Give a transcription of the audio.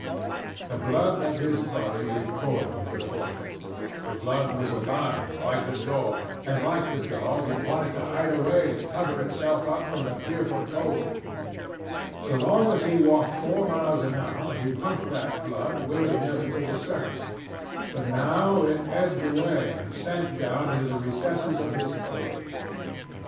The blood of his body recoiled before it. The blood was alive, like the dog, and like the dog it wanted to hide away and cover itself up from the fearful cold. So long as he walked four miles an hour, he pumped that blood, willy nilly, to the surface; but now it ebbed away and sank down into the recesses of his body.